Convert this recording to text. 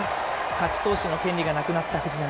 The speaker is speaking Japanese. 勝ち投手の権利がなくなった藤浪。